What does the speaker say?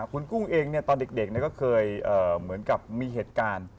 คุณกุ้งเองตอนเด็กก็เคยเหมือนกับมีเหตุการณ์